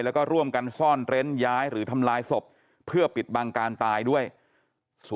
แล้วก็ร่วมกันซ่อนเตรนส์